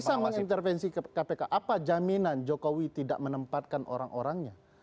bisa mengintervensi kpk apa jaminan jokowi tidak menempatkan orang orangnya